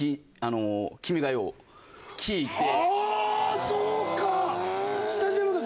あぁそうか！